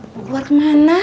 mau keluar ke mana